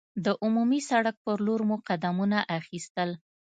د عمومي سړک پر لور مو قدمونه اخیستل.